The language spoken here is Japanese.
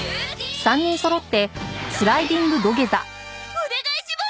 お願いします！